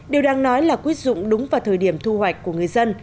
điều đang nói là quyết dụng đúng vào thời điểm thu hoạch của người dân